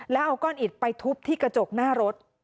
แล้วเอาก้อนอิดไปทุบที่กระจกหน้ารถ